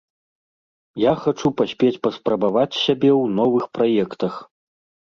Я хачу паспець паспрабаваць сябе ў новых праектах.